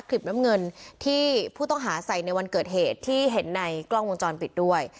คลิปน้ำเงินที่ผู้ต้องหาใส่ในวันเกิดเหตุที่เห็นในกล้องวงจรปิดด้วย